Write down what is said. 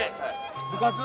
部活？